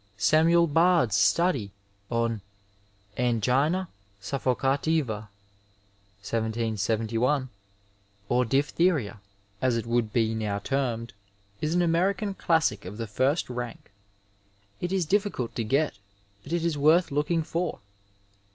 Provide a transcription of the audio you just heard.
Samuel Bard's study on Angina Suffocativa (1771), or diphtheria, as it would be now termed, is an American classic of the first rank. It is difficult to get, but it is worth looking for.